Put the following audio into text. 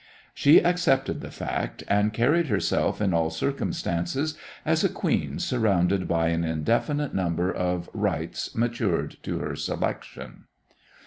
She accepted the fact, and carried herself in all circumstances as a queen surrounded by an indefinite number of rights matured to her selection.